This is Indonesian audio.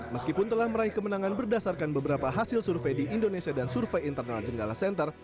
meskipun telah meraih kemenangan berdasarkan beberapa hasil survei di indonesia dan survei internal jenggala center